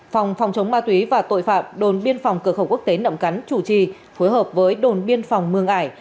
phòng phòng chống ma túy và tội phạm đồn biên phòng cửa khẩu quốc tế nậm cắn chủ trì phối hợp với đồn biên phòng mường ải